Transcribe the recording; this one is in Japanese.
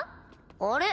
あれ？